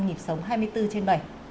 nhịp sống hai mươi bốn trên bảy